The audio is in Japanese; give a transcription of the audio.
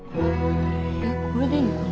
えっこれでいいのかな？